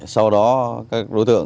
sau đó các đối tượng